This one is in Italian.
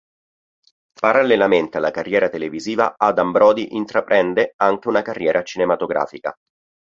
Parallelamente alla carriera televisiva, Adam Brody intraprende anche una carriera cinematografica.